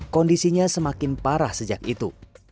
kondisinya semakin parah sejak itu